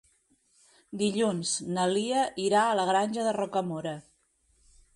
Dilluns na Lia irà a la Granja de Rocamora.